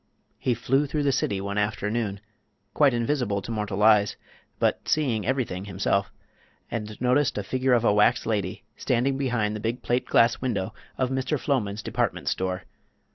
He flew through the city one afternoon—quite invisible to mortal eyes, but seeing everything himself—and noticed a figure of a wax lady standing behind the big plate glass window of Mr. Floman's department store.